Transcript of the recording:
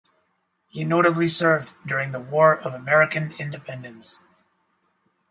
He notably served during the War of American Independence.